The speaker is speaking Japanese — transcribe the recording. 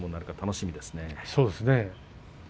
そうですね。